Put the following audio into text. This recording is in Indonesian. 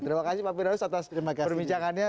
terima kasih pak firdaus atas perbincangannya